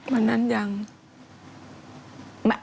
วันนั้นยัง